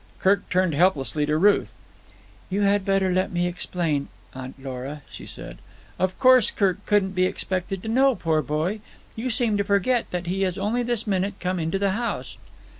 Kirk turned helplessly to Ruth. "You had better let me explain, Aunt Lora," she said. "Of course Kirk couldn't be expected to know, poor boy. You seem to forget that he has only this minute come into the house."